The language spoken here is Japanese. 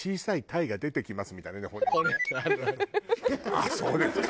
「ああそうですか」。